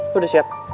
lo udah siap